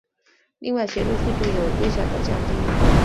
另外写入速度有微小的降低。